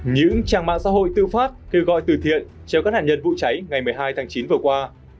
những trang mạng xã hội tư pháp kêu gọi từ thiện cho các nạn nhân vụ cháy ngày một mươi hai tháng chín vừa qua